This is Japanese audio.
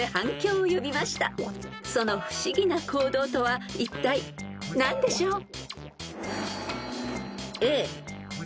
［その不思議な行動とはいったい何でしょう］